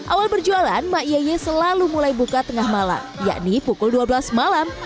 awal berjualan ma yieye selalu mulai buka tengah malam yakni pukul dua belas malam